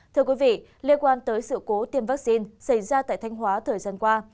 thưa quý vị liên quan tới sự cố tiêm vaccine xảy ra tại thanh hóa thời gian qua